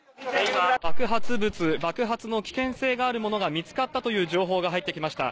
今、爆発物、爆発の危険性があるものが見つかったという情報が入ってきました。